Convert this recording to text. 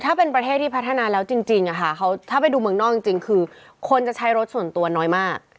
ถ้าเป็นประเทศที่พัฒนาแล้วจริงถ้าไปดูเมืองนอกจริงคือคนจะใช้รถส่วนตัวน้อยมาก